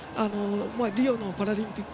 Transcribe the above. リオのパラリンピック